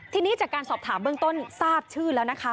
ทีนี้จากการสอบถามเบื้องต้นทราบชื่อแล้วนะคะ